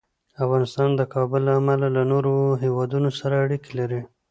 افغانستان د کابل له امله له نورو هېوادونو سره اړیکې لري.